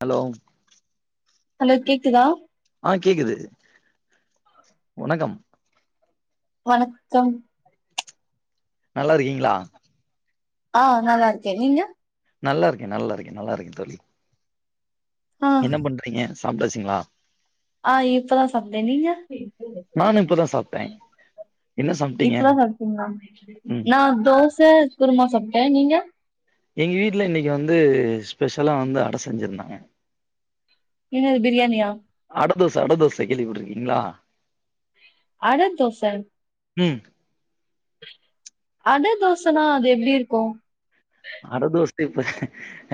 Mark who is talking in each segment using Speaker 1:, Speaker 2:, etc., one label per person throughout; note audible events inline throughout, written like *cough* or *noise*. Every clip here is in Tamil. Speaker 1: ஹலோ
Speaker 2: ஹலோ கேக்குதா
Speaker 1: ஆ கேக்குது வணக்கம்
Speaker 2: வணக்கம்
Speaker 1: நல்லார்க்கீங்ளா
Speaker 2: ஆ நல்லார்க்கே நீங்க
Speaker 1: நல்லாருக்கே நல்லாருக்கே நல்லாருக்கே தோழி
Speaker 2: ஆ
Speaker 1: என்ன பண்றீங்க சாப்ட்டாச்ங்களா
Speaker 2: ஆ இப்பதா சாப்ட்டே நீங்க
Speaker 1: நானு இப்பதா சாப்ட்டே என்ன சாப்ட்டீங்க
Speaker 2: இப்பதா சாப்டீங்ளா
Speaker 1: ம்
Speaker 2: நா தோஸ் ச்ச குருமா சாப்ட்டே நீங்க
Speaker 1: எங்க வீட்ல இன்னிக்கி வந்து ஸ்பெஷலா வந்து அட செஞ்சிருந்தாங்க
Speaker 2: என்னது பிரியாணியா
Speaker 1: அடதோச அடதோச கேள்விபட்ர்க்கீங்ளா
Speaker 2: அட தோச
Speaker 1: ம்
Speaker 2: அட தோசனா அது எப்டி இருக்கு
Speaker 1: அடதோச இப்ப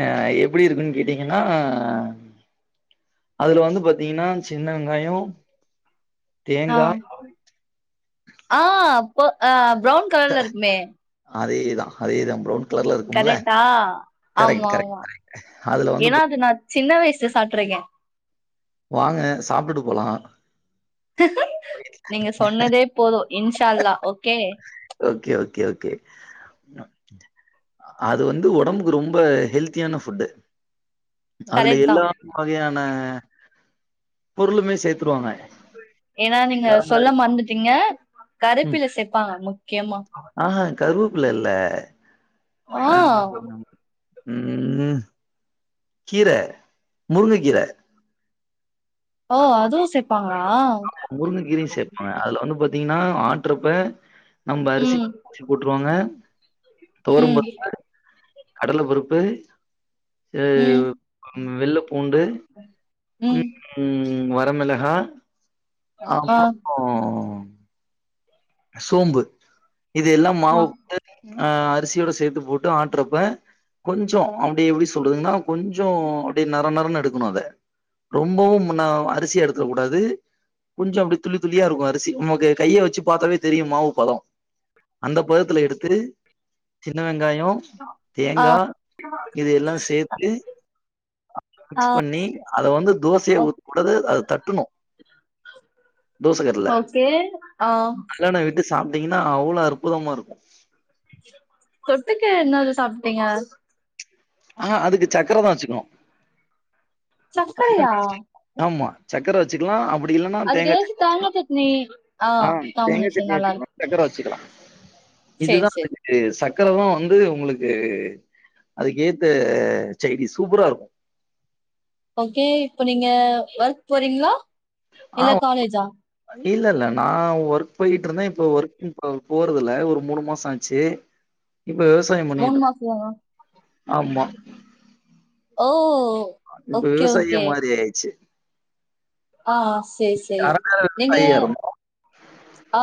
Speaker 1: அ எப்பிடி இருக்குனு கேட்டீங்கனா அதுல வந்து பாத்தீங்கனா சின்ன வெங்காயோ
Speaker 2: ஆ
Speaker 1: தேங்கா
Speaker 2: ஆ ப அ ப்ரௌன் கலர்ல இருக்குமே
Speaker 1: அதேதா அதேதா ப்ரௌன் கலர்ல இருக்குமுல
Speaker 2: கரெக்டா
Speaker 1: கரெக்ட்
Speaker 2: ஆமா
Speaker 1: கரெக்ட்
Speaker 2: ஆமா
Speaker 1: கரெக்ட் அதுல வந்து
Speaker 2: ஏன்னா அது நா சின்ன வயசு சாட்றுக்கே
Speaker 1: வாங்க சாப்ட்டுட்டு போலா
Speaker 2: நீங்க சொன்னதே போது இன்ஷாஅல்லா ஓகே
Speaker 1: ஓகே ஓகே ஓகே அது வந்து ஒடம்புக்கு ரொம்ப ஹெல்த்தியான ஃபுட்டு அதுல
Speaker 2: கரெக்ட் தா
Speaker 1: எல்லா வகையான பொருளுமே சேத்து
Speaker 2: ஏனா நீங்க சொல்ல மந்துட்டீங்க கருப்பில செப்பாங்க முக்கியமா
Speaker 1: ஆ கருவப்பில இல்ல
Speaker 2: ஆ
Speaker 1: ம்ம் கீர முருங்க கீர
Speaker 2: ஓ அதுவு சேப்பாங்களா
Speaker 1: முருங்க கீரயு சேப்பாங்க அதுல வந்து பாத்தீங்கனா ஆட்றப்ப நம்ம அரிசி
Speaker 2: ம்
Speaker 1: அரிசி போட்ருவாங்க
Speaker 2: ம்
Speaker 1: கடலப்பருப்பு எ
Speaker 2: ம்
Speaker 1: ம் வெள்ள பூண்டு
Speaker 2: ம்
Speaker 1: ம் வரமிளகா
Speaker 2: ஆ
Speaker 1: அப்றொ சோம்பு இதெல்லா
Speaker 2: ஓ
Speaker 1: மாவு போட்டு அ அரிசியோட சேத்து போட்டு ஆட்றப்ப கொஞ்சொ அப்டி எப்டி சொல்றதுன்னா கொஞ்சொ அப்டியே நர நரன்னு எடுக்ணு அத ரொம்பவு முன்னா அரிசிய எடுத்துட கூடாது கொஞ்ச அப்டி துளி துளியா இருக்கு அரிசி நமக்கு கைய வச்சு பார்த்தாவே தெரியுமாவு பதோ அந்த பதத்ல எடுத்து சின்ன வெங்காயொ தேங்கா இத எல்லா சேத்து மிக்ஸ் பண்ணி அத வந்து தோசயா
Speaker 2: ஓ
Speaker 1: ஊத்கூடாது அத தட்டுணு தோசகல்ல
Speaker 2: கே ஆ
Speaker 1: கல்யான வீட்டு சாப்ட்டீங்கன்னா அவ்ளோ அற்புதமா இருக்கு
Speaker 2: தொட்டுக்கு என்னது சாப்ட்டீங்க
Speaker 1: ஆ அதுக்கு சக்கர தா வச்சுக்கணு அதுதா
Speaker 2: சக்கரையா
Speaker 1: டேஷ்ட இருகு ஆமா சக்கர வச்சுக்கலா அப்டி இல்லன்னா
Speaker 2: அதுக்கு
Speaker 1: தேங்கா
Speaker 2: ஏதாச்சு
Speaker 1: சட்னி
Speaker 2: தேங்கா
Speaker 1: வச்சுக்கலா
Speaker 2: சட்னி
Speaker 1: ஆ தேங்கா
Speaker 2: காம்பினேஷன்
Speaker 1: சட்னி
Speaker 2: நல்லா
Speaker 1: வச்சுக்கலா
Speaker 2: இருக்கு
Speaker 1: சக்கர வச்சுக்கலா
Speaker 2: சேரி
Speaker 1: இதுதா
Speaker 2: சேரி
Speaker 1: *unintelligible* இ சக்கர தா வந்து உங்களுக்கு அதுக்கேத்த சைடிஷ் சூப்பரா இருக்கு
Speaker 2: ஓகே இப்போ நீங்க ஒர்க் போறீங்ளா
Speaker 1: ஆ
Speaker 2: இல்ல காலேஜா
Speaker 1: இல்ல இல்ல நா ஒர்க் போயிட்டு இருந்தே இப்ப ஒர்க்கு போறதில்ல ஒரு மூணு மாசோ ஆச்சு
Speaker 2: *inaudible*
Speaker 1: இப்ப விவசாயம்
Speaker 2: மூணு
Speaker 1: பண்ணிட்டு
Speaker 2: மாச தானா
Speaker 1: ஆமா
Speaker 2: ஓ
Speaker 1: இப்ப
Speaker 2: ஓகே
Speaker 1: விவசாயியா
Speaker 2: ஓகே
Speaker 1: மாரி ஆயாச்சு
Speaker 2: ஆ செரி செரி நீங்க
Speaker 1: அரசாயியா
Speaker 2: ஆ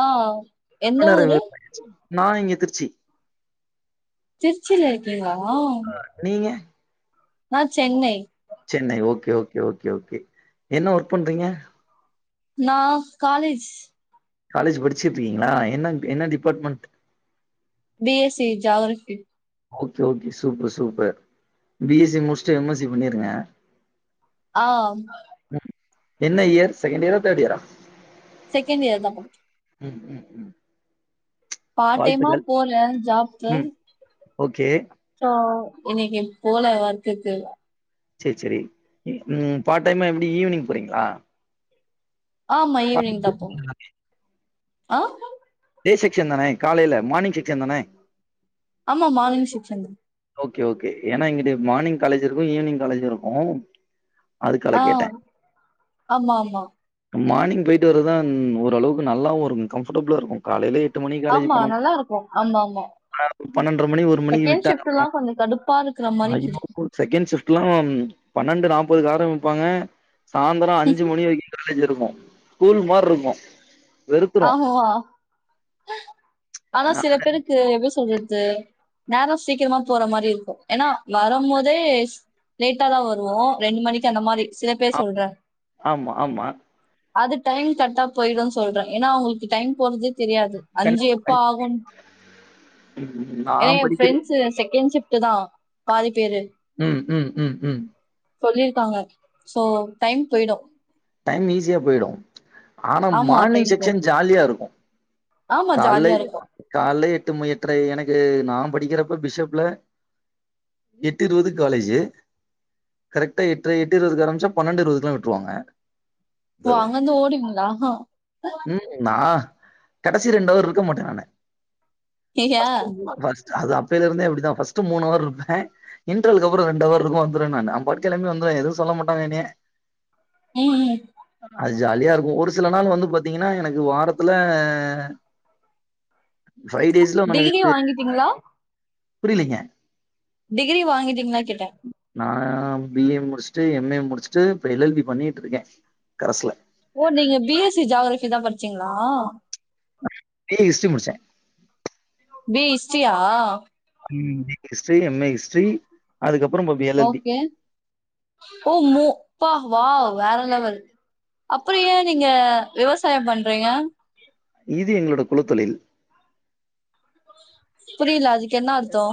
Speaker 2: எந்த ஊரு
Speaker 1: இருந்தோ நா இங்க திருச்சி
Speaker 2: திருச்சில இக்கிங்ளா
Speaker 1: நீங்க
Speaker 2: நா Chennai
Speaker 1: Chennai okay okay okay okay என்ன ஒர்க் பண்றீங்க
Speaker 2: நா காலேஜ்
Speaker 1: காலெஜ் படிச்சுட்ரிக்கீங்ளா என்ன என்ன department
Speaker 2: BSc geography
Speaker 1: okay okay super super BSc முடிச்ட்டு எம்எஸ்சி பண்ணிருங்க
Speaker 2: ஆ
Speaker 1: என்ன இயர் செகண்ட் இயரா தேர்ட் இயரா
Speaker 2: செகண்ட் இயர் தா
Speaker 1: ம் ம் ம்
Speaker 2: பாட்டைமா
Speaker 1: வாழ்த்துக்கள்
Speaker 2: போற ஜாப்கு
Speaker 1: ம் ஓகே
Speaker 2: இன்னிக்கு போல அத்துக்கு
Speaker 1: சேரி சேரி பார்ட் டைமா எப்டி ஈவ்னிங் போறீங்ளா
Speaker 2: ஆமா ஈவினிங் தா போரெ ஆ
Speaker 1: டே செக்ஷன் தானே காலைல மானிங் செக்ஷன் தானே
Speaker 2: ஆமா மானி செக்சன்
Speaker 1: ஓகே ஓகே ஏன்னா இங்கடு மானிங் காலேஜ் இருக்கு ஈவ்னிங் காலேஜ் இருக்கு அதுக்கால
Speaker 2: ஆ
Speaker 1: கேட்டே
Speaker 2: ஆமா ஆமா
Speaker 1: மானிங் போயிட்டு வர்றதா ஓளவுக்கு நல்லாவு இருக்கு கம்ஃபர்டபுளா இருக்கு காலைலேயே
Speaker 2: ஆமா நல்லா இருக்கு ஆமா ஆமா
Speaker 1: பன்னெண்டு மணி ஒரு மணிக்கு
Speaker 2: செகண்ட்
Speaker 1: விட்டா
Speaker 2: ஷிஃப்ட் எல்லாம் கொஞ்சம் கடுப்பா இருக்கிற மாதிரி இருக்கும்
Speaker 1: *unintelligible* செகண்ட் சிப்ட்லா பன்னெண்டு நாப்பது ஆரம்ப்பாங்க சாயந்திர அஞ்சு மணி வைக்க இருக்கு ஷ்கூல் மாரி இருக்கு
Speaker 2: ஆமா ஆனா
Speaker 1: நான்
Speaker 2: சில பேருக்கு க்கு எப்டி சொல்றது நேர சீக்கிரமா போற மாரி இருக்கு ஏன்னா வரும் போதே லேட்டா தா வருவோ ரெண்டு மணிக் அந்த மாரி சில இப்பெ
Speaker 1: ஆ-
Speaker 2: சொல்றே
Speaker 1: ஆமா ஆமா
Speaker 2: அது டைம் கரெக்டா போயிடுனு சொல்றே ஏன்னா அவங்களுக்கு டைம் போறதே தெரியாது அஞ்சு எப்ப ஆகு
Speaker 1: ம்
Speaker 2: ஏ என் ஃப்ரெண்ட்ஸ் செகண்ட் ஷிப்ட் தா பாதி பேரு
Speaker 1: ம் ம் ம் ம்
Speaker 2: சொல்லிருக்காங்க சோ டைம் போயிடு
Speaker 1: டைம் ஈஸியா போயிடு ஆனால்
Speaker 2: ஆமா
Speaker 1: மார்னிங்
Speaker 2: டைம் போகும்
Speaker 1: செக்ஷன் ஜாலியா இருக்கு
Speaker 2: ஆமா
Speaker 1: காலை
Speaker 2: ஜாலியா இருக்கும்
Speaker 1: காலையில எட்டு மணிக்கு எட்டுறை எனக்கு நா படிக்கிறப்ப பிஷப்புல எட்டு இருபதுக்கு காலேஜ் கரெக்ட்டா எட்டு இருபது ஆரம்பிச்ச பன்னெண்டு இருபதுக்கு எல்லா விட்ருவாங்க
Speaker 2: ஓ அங்கயிருந்து ஓடிந்துகளா
Speaker 1: ம் நா கடைசி ரெண்டவர் இருக்க மாட்டே நானு
Speaker 2: ஏயா
Speaker 1: *unintelligible* அது அப்பலே இருந்தே அப்டிதா ஃபர்ஸ்ட்ட மூணு அவர் இருபே இன்டுரல்லு அப்புற ரெண்டு அவர் வந்து நா வந்துருவே படிக்கலேன்னு எதுவு சொல்ல மாட்டாங்க என்னையே
Speaker 2: ம் ம்
Speaker 1: அது ஜாலியா இருக்கு ஒரு சில நாள் வந்து பாத்தீங்கன்னா எனக்கு வாரத்துல அ
Speaker 2: டெய்லி வாங்கிட்டிங்களா
Speaker 1: புரியலங்க
Speaker 2: டிகிரி வாங்கிட்டீங்ளா கேட்டே
Speaker 1: நா பி ஏ முடிச்ட்டு எம்ஸஏ முடிச்ட்டு இப்ப எல் எல் பி பண்ணிட்டுருக்கே கரச்ல
Speaker 2: ஓ நீங்க பி எஸ் சி ஜாக்ரஃபி தா படிச்சீங்களா
Speaker 1: பி ஏ இஸ்ட்ரி முடிச்சே
Speaker 2: பி ஏ இஸ்ட்ரியா
Speaker 1: ம் B A history M A history அதுக்கப்புறோ ப்போ பி எ
Speaker 2: ஓகே ஓ மு ப்பா வாவ் வேற லெவல் அப்புறோ ஏ நீங்க விவாசாய பண்றீங்க
Speaker 1: இது எங்களோட குலதொழில்
Speaker 2: புரியில அதுக்கு என்ன அர்த்தொ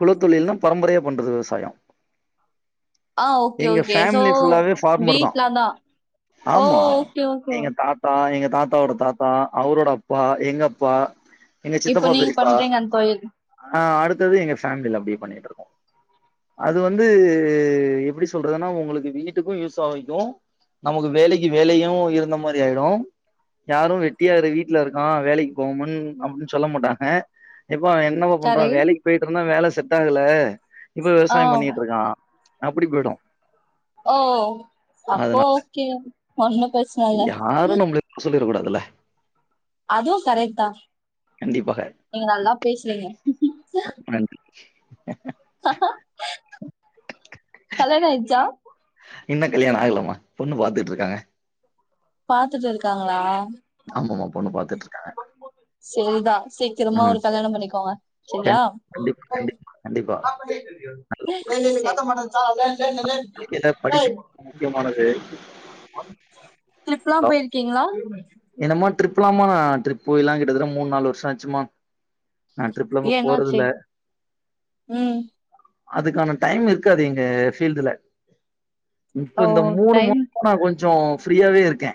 Speaker 1: குல தொழில்னா பரம்பரையா பண்றது விவசாயோ
Speaker 2: ஆ ஓகே,
Speaker 1: எங்க
Speaker 2: ஓகே. சோ
Speaker 1: ஃபேமிலி ஃபுல்லாவே ஃபார்மர் தா
Speaker 2: வீட்ல அதான். ஓ!
Speaker 1: ஆமா
Speaker 2: ஓகே, ஓகே.
Speaker 1: எங்க தாத் தா எங்க தாத்தாவோட தாத்தா அவரோட அப்பா எங்க அப்பா எங்க
Speaker 2: இப்போ
Speaker 1: சித்தப்பா
Speaker 2: நீங்க
Speaker 1: பெரியப்பா
Speaker 2: பண்றீங்க அந்த தொழில்.
Speaker 1: அ அடுத்தது எங்க ஃபேமிலியில அப்டியே பண்ணிட்டு இருக்கோ அது வந்து எப்டி சொல்றதுன்னா உங்களுக்கு வீட்டுக்கு யூஸா வைக்கு நமக்கு வேலைக்கு வேலையு இருந்த மாரி ஆயிடு யாரு வெட்டி இரு வீட்ல இருக்கா வேலைக்கு போகாமன் அப்டின்னு சொல்ல மாட்டாங்க இப்போ என் னப்பா பண்றா
Speaker 2: சரி.
Speaker 1: வேலைக்கு போயிட்டு இருந்தா வேல செட் ஆகல இப்ப
Speaker 2: ஆ.
Speaker 1: விவசாய பண்ணிட்டு இருக்கா அப்டி போயிடு
Speaker 2: ஓ அப்ப ஓகே ஒன்னு பிரச்
Speaker 1: யாரு நம்மள சொல்லிற கூடாதுல
Speaker 2: அதுவு கரெக்ட் தா நீங்க நல்லா பேசுறீங்க
Speaker 1: ஒ நன்றி
Speaker 2: கல்யாண ஆய்ச்சா
Speaker 1: இன்னு கல்யாண ஆகலாமா பொண்ணு பாத்துட்டு இருக்காங்க
Speaker 2: பாத்துட்டு இருக்காங்களா
Speaker 1: ஆமாமா பொண்ணு பாத்துட்டு இருக்காங்க
Speaker 2: சேரிதா சீக்கிரமா
Speaker 1: ம்
Speaker 2: ஒரு கல்யாண பண்ணிக்கோங்க செரியா
Speaker 1: கண்டி- கண்டிப்பா கண்டிப்பா கண்டிப்பா
Speaker 2: ஆ சத்தம் போடதே ஆன் வே
Speaker 1: இன்னிக்குலா படிப்பு முக்கியமானது
Speaker 2: ட்ரிப்ல்லா போயிருக்கீங்களா
Speaker 1: என்னம்மா ட்ரிப் இல்லாமா ட்ரிப் போய்லா கிட்டட்டது மூணு நாலு வருஷ ஆச்சும்மா அ ட்ரிப்லா இப்ப
Speaker 2: ஏன் என்னாச்சு?
Speaker 1: போறதுல்ல
Speaker 2: ம்.
Speaker 1: அதுக்கான டைம் இருக்காது இங்க ஃபீல்டுல
Speaker 2: ஓ!
Speaker 1: இப்ப இந்த மூணு மூ
Speaker 2: டைம்
Speaker 1: நா கொஞ்சோ ஃப்ரீயாவே இருக்கே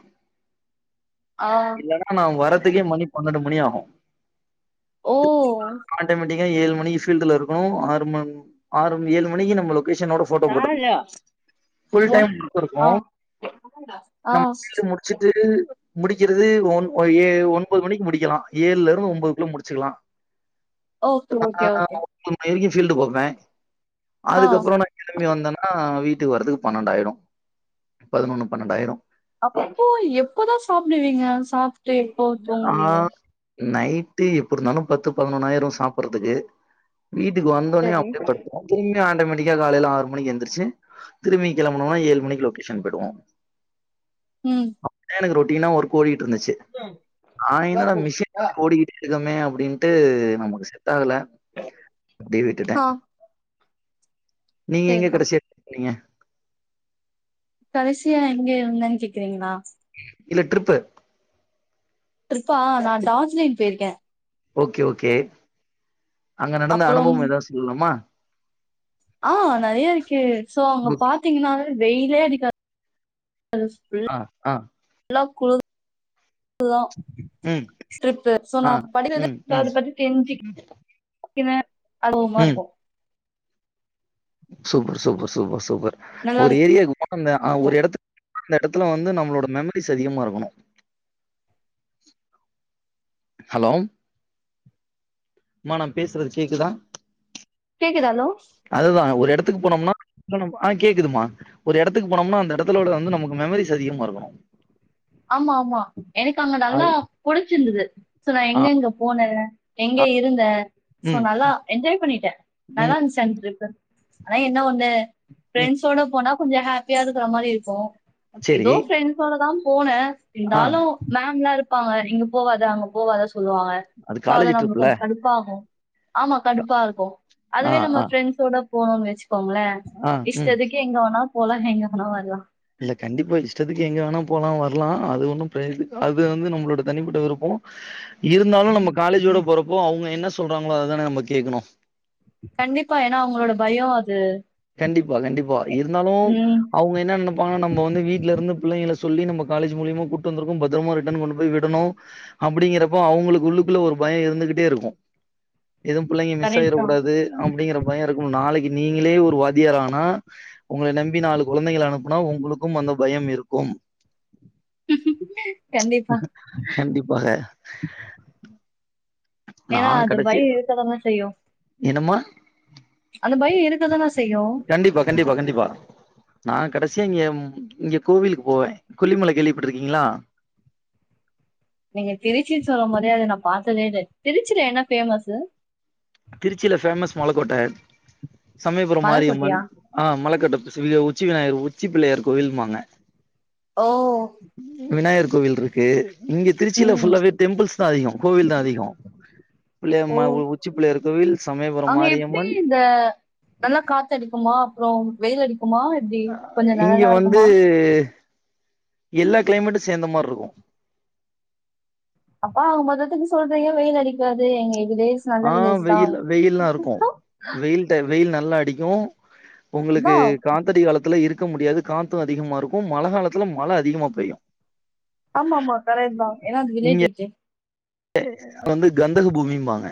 Speaker 2: ஆ.
Speaker 1: இல்லன்னா நா வரத்துக்கே மணி பன்னெண்டு மணி ஆகு *inaudible*
Speaker 2: ஓ!
Speaker 1: ஏழு மணிக்கு ஃபீல்டுல இருக்கு ஆறு ம ஆறு ஏழு மணிக்கு நம்ம லொகேஷனோட ஃபோட்டோ
Speaker 2: ஆ.
Speaker 1: போட்ட ஃபுல் டைம் ர்க் இருக்கு
Speaker 2: ஆ.
Speaker 1: நம் ஃபீல்ட் முடி ச்சுட்டு முடிக்கிறது ஒ ஏ ஒன்பது மணிக்கு முடிக்கலா ஏழ்ல இருந்து ஒம்போது குள்ள முடிச்சுக்கலா
Speaker 2: ஓகே,
Speaker 1: அ அ
Speaker 2: ஓகே,
Speaker 1: அ
Speaker 2: ஓகே.
Speaker 1: அ மணி வரைக்கு ஃபீல்டு பாப்பே
Speaker 2: ஆ.
Speaker 1: அதுக்கப்புறோ நா திரும்பி வந்தேன்னா வீட்டுக்கு வரதுக்கு பன்னெண்டாயிடு பதுனொன்னு பன்னெண்டாயிடு
Speaker 2: அப்போ எப்பதா சாப்டுவீங்க சாப்
Speaker 1: ஆ நைட்டு எப்புடுருந்தாலும் பத்து பதினொன்ணாயிரு சாப்புறதுக்கு வீட்டுக்கு வந்தோன்னே
Speaker 2: சரி
Speaker 1: அப்டியே படுத்துர்வோ திரும்பி ஆட்டோமேட்டிக்கா காலைல ஆறு மணிக்கு எந்துருச்சு திரும்பியு கெளம்பனோம்னா ஏழு மணிக்கு லொக்கேஷன் போயிடுவோ
Speaker 2: ம்
Speaker 1: அப்டிதா எனக்கு ரொட்டீனா ஒர்க் ஓடிட்டு இருந்துச்சு
Speaker 2: தே
Speaker 1: நா என்னடா மிஷின் மாரி ஓடிக்கிட்டே இருக்கோமே அப்டின்ட்டு நமக்கு செட் ஆகல அப்டி விட்டுட்டே
Speaker 2: ஆ
Speaker 1: நீங்க எங்க
Speaker 2: சரிதா
Speaker 1: கடைசியா போனீங்க
Speaker 2: கடைசியா எங்க இருந்தேன் கேக்குறீங்களா
Speaker 1: இல்ல ட்ரிப்பு
Speaker 2: ட்ரிப்பா நா டார்ஜிலின் பேய்ர்க்கே
Speaker 1: ஓகே ஓகே அங்க நடந்த
Speaker 2: அப்புறம்
Speaker 1: அனுபவம் எதாவ்து சொல்லலாமா
Speaker 2: ஆ நெறையாருக்கு சோ அங்க
Speaker 1: ஓகே.
Speaker 2: பாத்தீங்கன்னா வெயிலே அடிக்கா *inaudible*
Speaker 1: ஆ ஆ
Speaker 2: நல்லா குளுர் ப்புதா
Speaker 1: ம்,
Speaker 2: ட்ரிப்பு சோ
Speaker 1: ஆ,
Speaker 2: நா படிறது
Speaker 1: ம், ம்,
Speaker 2: ட்வெ *unintelligible* கெஞ்சி கினேன் அளவுமா
Speaker 1: ம்.
Speaker 2: ருக்கு
Speaker 1: சூப்பர் சூப்பர் சூப்பர் சூப்பர்
Speaker 2: நல்லா
Speaker 1: ஒரு
Speaker 2: இருக்கு
Speaker 1: ஏரியாக்கு அந்த ஆ ஒரு எடத்து அந்த எடத்துல வந்து நம்மளோட மெமரிஸ் அதிகமா இருக்கணு ஹலோ ம்மா நா பேசுறது கேக்குதா
Speaker 2: கேக்குது அலோ
Speaker 1: அதுதா ஒரு எடத்துக்கு போனோம்னா ஆ கேக்குதுமா ஒரு எடத்துக்கு போனோம்னா அந்த இடத்துல உள்ளது வந்து நமக்கு மெமரிஸ் அதிகமாருக்கணு இருக்கணும்
Speaker 2: ஆமா ஆமா எனக்கு அங்க நல்லா
Speaker 1: அது
Speaker 2: புடிச்சிருந்தது சோ நா
Speaker 1: ஆ,
Speaker 2: எங்க எங்க போனே எங்க
Speaker 1: ஆ,
Speaker 2: இருந்த சோ
Speaker 1: ம்,
Speaker 2: நல்லா என்ஜாய் பண்ணிட்டே
Speaker 1: ம்,
Speaker 2: நல்லாருந்துச்சு அந்த ட்ரிப்பு ஆனா என்ன ஒண்ணு
Speaker 1: ம்.
Speaker 2: ஃபிரண்ஸோட போனா கொஞ்சோ ஹேப்பியா இருக்குற மாரி இருக்கு இதோ
Speaker 1: சரி.
Speaker 2: ஃப்ரெண்ட்ஸோட தான் போனே
Speaker 1: ஆ
Speaker 2: இருந்தாலு மேம் லா இருப்பாங்க இங்க போவாத அங்க போவாத சொல்லுவாங்க
Speaker 1: அது
Speaker 2: சோ அத
Speaker 1: காலேஜ்
Speaker 2: நம்ளுக்கு
Speaker 1: ட்ரிப்ல.
Speaker 2: கொஞ்சோ கடுப்பாகு ஆமா கடுப்பாருக்கு
Speaker 1: ஆ,
Speaker 2: அதுவே நம்ம
Speaker 1: ஆ,
Speaker 2: ஃப்ரெண்ஸோட போனோ வச்க்கோங்களே
Speaker 1: ஆ, ம்.
Speaker 2: இஷ்டத்க் கு எங்க வேணா போலா எங்க வேணா வர்லா
Speaker 1: இல்ல கண்டிப்பா இஷ்டத்துக்கு எங்க வேணா போலா வர்லா அது ஒண்ணு ப்ரெ அது வந்து நம்மளோட தனிப்பட்ட விருப்போ இருந்தாலு நம்ம காலேஜோட போறப்போ அவுங்க என்ன சொல்றாங்களோ அதுதான நம்ம கேக்கணு
Speaker 2: கண்டிப்பா ஏன்னா அவங்களோட பயோ அது
Speaker 1: கண்டிப்பா கண்டிப்பா இருந்தாலு
Speaker 2: உம்
Speaker 1: அவுங்க என்ன நெனப் பாங்க நம்ப வந்து வீட்டுலருந்து பிள்ளைங்கள சொல்லி நம்ம காலேஜ் மூலியமா கூட்டு வந்துருக்கோ பத்ரமா ரிட்டன் கொண்டு போய் விடணு அப்டிங்கிறப்ப அவ்ங்களுக்கு உள்ளுக்குள்ள ஒரு பயோ இருந்துகிட்டேருக்கு எதுவு பிள்ளைங்க மிஸ் ஆயிற
Speaker 2: கரெக்ட் தான்
Speaker 1: கூடாது அப்டிங்கிற பயோ இருக்கு நாளைக்கு நீங்களே ஒரு வாதியார் ஆனா உங்கள நம்பி நாலு கொழந்தைகள அனுப்புனா உங்களுக்கு அந்த பயம் இருக்கு
Speaker 2: கண்டிப்பா
Speaker 1: வக நா
Speaker 2: ஏன்னா அது
Speaker 1: கடசியா
Speaker 2: பயம் இருக்கதானே செய்யும்
Speaker 1: என்ன மா
Speaker 2: அந்த பயொ இருக்கதானா
Speaker 1: கண்டிப்பா கண்டிப்பா கண்டிப்பா நா கடசியா இங்கே இங்க கோவிலுக்கு போவே கொல்லிமல கேள்விப்பட்டுருக்கீங்ளா
Speaker 2: நீங்க திருச்சின் சொல்லும் போதே அத நா பாத்ததே இல்ல திருச்சில என்ன ஃபேமஸு
Speaker 1: திருச்சில ஃபேமஸ் மலகோட்ட சமயபுரம் மாரியம்மன்
Speaker 2: மலைக்கோட்டையா
Speaker 1: ஆ மலக்கோட்ட சிவிய உச்சி விநாயகர் உச்சி பிள்ளயார் கோயிலும்பாங்க
Speaker 2: ஓ
Speaker 1: விநாயர் கோவில்ருக்கு இங்க திருச்சில
Speaker 2: உம்
Speaker 1: ஃபுல்லாவே டெம்பிள்ஸ் தா அதிகொ கோவில் தா அதிகொ
Speaker 2: ஓ!
Speaker 1: பிள்ளயமா உச்சி பிள்ளயார் கோவில் சமயபுரம்
Speaker 2: அங்க எப்டி
Speaker 1: மாரியம்மன்
Speaker 2: இந்த நல்லா காத்தடிக்குமா அப்றோ வெயிலடிக்குமா எப்டி கொஞ்சொ நெழலா இருக்குமா
Speaker 1: து எல்லா கிளைமேட்டு சேந்த மார்ருக்கு
Speaker 2: அப்ப ஆக மொத்தத்துக்கு சொல்றீங்க வெயில் அடிக்காது எங்க இதுவே
Speaker 1: ஆ வெயில் வெயில்லா இருக்கு வெயில் டை வெயில் நல்லா அடிக்கு உங்களுக்கு
Speaker 2: அதான்
Speaker 1: காத்தடி காலத்துல இருக்க முடியாது காத்து அதிகமா இருக்கு மழ காலத்துல மழ அதிகமா பெய்யு
Speaker 2: ஆமாமா கரெட்தா ஏனா அது வில்லேஜ் ஆச்சே
Speaker 1: அது வந்து கந்தக பூமிம்பாங்க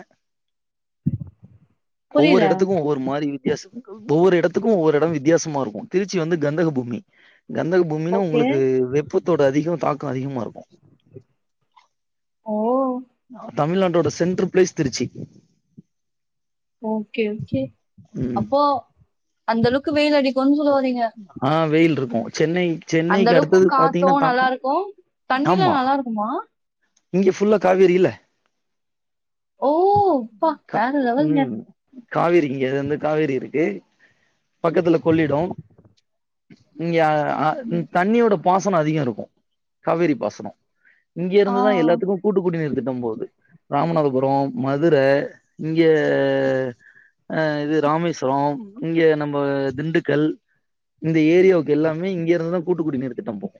Speaker 1: ஒவ்வொரு
Speaker 2: புரியல.
Speaker 1: எடத்துக்கு ஒவ்வொ ரு மாரி வித்யாச இருக்கு ஒவ்வொரு எடத்துக்கு ஒவ்வொரு எடொ வித்யாசமா இருக்கு திருச்சி வந்து கந்தகபூமி கந்தக பூமினா
Speaker 2: ஓகே.
Speaker 1: உங்களுக்கு வெப்பத்தோட அதிக தாக்கொ அதிகமா இருக்கு
Speaker 2: ஓ
Speaker 1: தமிழ்நாடோட centre place Trichy
Speaker 2: okay okay
Speaker 1: ம்
Speaker 2: அப்போ அந்தளவ்க்கு வெயில் அடிக்குன் சொல்ல வரிங்க
Speaker 1: ஆ வெயில்ருக்கு சென்னை
Speaker 2: அந்த
Speaker 1: சென்னைக்கு
Speaker 2: அளவுக்கு
Speaker 1: அடுத்தது பாத்தீங்கனா
Speaker 2: காத்தும் நல்லா
Speaker 1: தாக்கொ
Speaker 2: இருக்கும்.
Speaker 1: ஆமா
Speaker 2: தண்ணிலாம் நல்லா இருக்குமா?
Speaker 1: இங்க ஃபுல்லா காவேரி இல்ல
Speaker 2: ஓ ப்பா
Speaker 1: கா-
Speaker 2: வேற லெவல்ங்க
Speaker 1: ம் காவேரி இங்கது வந்து காவேரி இருக்கு பக்கத்துல கொள்ளிடோ இங்க அ தண்ணியோட பாசனொ அதிகொ இருக்கு காவேரி பாசனொ இங்கெருந்துதா
Speaker 2: ஆ.
Speaker 1: எல்லாத்துக்கு கூட்டுக்குடி நீர் திட்டொ போது ராமநாதபுரோ மதுர இங்க அ இது ராமேஸ்வரோ இங்க நம்ப திண்டுக்கல் இந்த ஏரியாவுக்கு எல்லாமே இங்க இருந்துதா கூட்டுக்குடி நீர் திட்டொ போகு